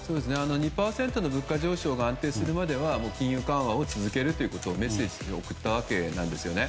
２％の物価上昇が安定するまでは金融緩和を続けるメッセージを送ったわけですね。